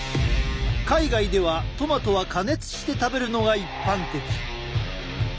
海外ではトマトは加熱して食べるのが一般的。